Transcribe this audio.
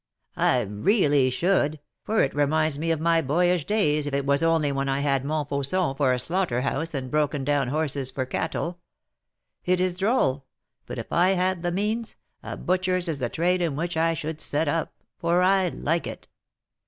"I really should, for it reminds me of my boyish days, if it was only when I had Montfauçon for a slaughter house and broken down horses for cattle. It is droll, but if I had the means, a butcher's is the trade in which I should set up, for I like it.